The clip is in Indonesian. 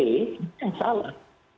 itu yang salah